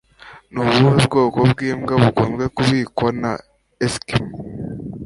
Ni ubuhe bwoko bw'imbwa bukunze kubikwa na Eskimo